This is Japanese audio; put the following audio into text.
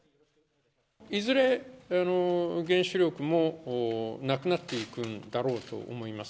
いずれ、原子力もなくなっていくんだろうと思います。